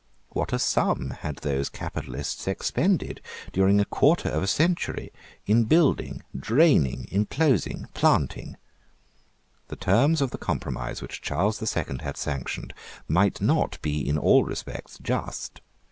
What a sum had those capitalists expended, during a quarter of a century, in building; draining, inclosing, planting! The terms of the compromise which Charles the Second had sanctioned might not be in all respects just.